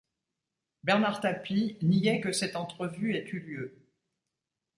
Bernard Tapie niait que cette entrevue ait eu lieu.